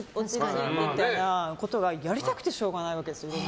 いろんなことが、やりたくてしょうがないわけですよ。